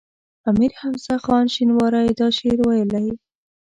امیر حمزه خان شینواری دا شعر ویلی.